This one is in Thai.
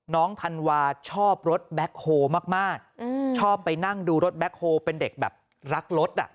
ธันวาชอบรถแบ็คโฮมากชอบไปนั่งดูรถแบ็คโฮลเป็นเด็กแบบรักรถอ่ะ